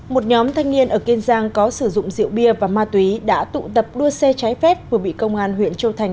một nhóm thanh niên ở kiên giang có sử dụng rượu bia và ma túy đã tụ tập đua xe trái phép vừa bị công an huyện châu thành